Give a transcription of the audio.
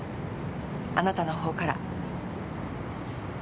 あなたのほうから。